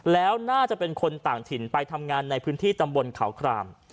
แล้วน่าจะเป็นคนต่างถิ่นไปทำงานในพื้นที่ตำบลเขาคราม